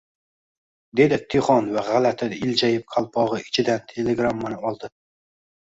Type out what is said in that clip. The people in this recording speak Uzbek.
dedi Tixon va gʻalati iljayib qalpogʻi ichidan telegrammani oldi.